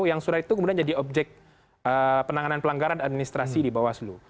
yang surat itu kemudian jadi objek penanganan pelanggaran administrasi di bawaslu